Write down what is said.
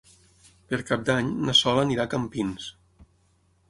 Per Cap d'Any na Sol anirà a Campins.